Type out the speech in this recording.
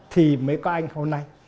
thì mới có anh hôm nay